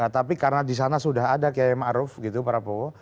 tapi karena di sana sudah ada qiyai ma'ruf gitu prabowo